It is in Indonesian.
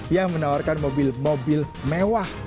yang menawarkan mobil mobil mewah